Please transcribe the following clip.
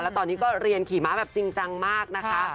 แล้วตอนนี้ก็เรียนขี่ม้าแบบจริงจังมากนะคะ